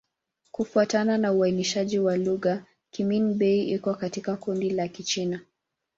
Kufuatana na uainishaji wa lugha, Kimin-Bei iko katika kundi la Kichina.